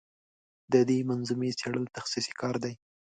د دې منظومې څېړل تخصصي کار دی.